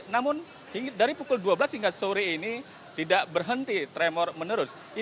namun dari pukul dua belas hingga sore ini tidak berhenti tremor menerus